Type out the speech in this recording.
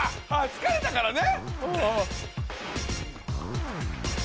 疲れたからね。